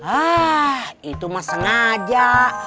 ah itu mah sengaja